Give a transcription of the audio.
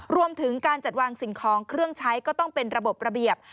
รวมถึงการจัดวางสิ่งของเครื่องใช้ก็ต้องเป็นระบบระเบียบ